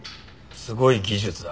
すごい技術だ。